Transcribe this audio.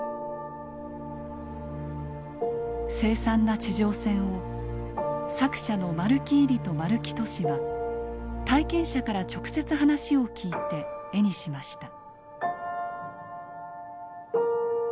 凄惨な地上戦を作者の丸木位里と丸木俊は体験者から直接話を聞いて絵にしました。